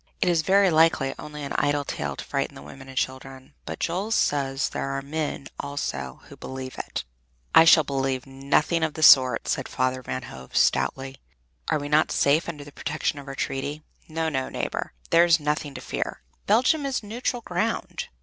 It is very likely only an idle tale to frighten the women and children, but Jules says there are men also who believe it." "I shall believe nothing of the sort," said Father Van Hove stoutly. "Are we not safe under the protection of our treaty? No, no, neighbor, there's nothing to fear! Belgium is neutral ground."